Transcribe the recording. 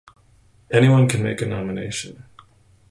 Anyone can make a nomination.